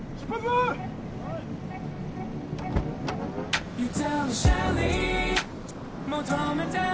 はい。